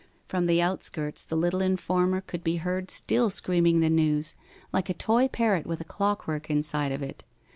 From the outskirts the little informer could be heard still screaming the news, like a toy parrot with clock work inside of it.